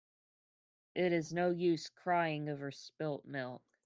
It is no use crying over spilt milk.